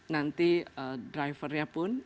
nanti drivernya pun